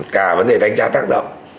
cả vấn đề đánh giá tác động